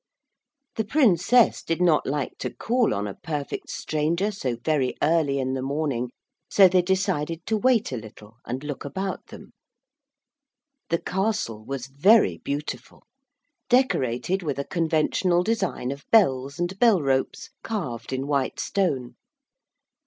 The Princess did not like to call on a perfect stranger so very early in the morning, so they decided to wait a little and look about them. The castle was very beautiful, decorated with a conventional design of bells and bell ropes, carved in white stone.